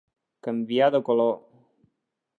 Canviar de color.